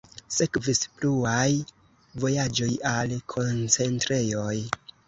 Sekvis pluaj vojaĝoj al koncentrejoj.